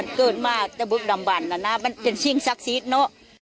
เกิดมาตะบึกดำบันแล้วนะมันเป็นสิ่งศักดิ์สิทธิ์เนอะ